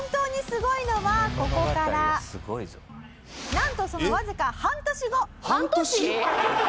なんとそのわずか半年後。